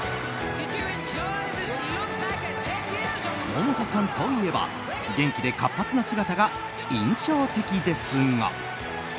百田さんといえば元気で活発な姿が印象的ですが。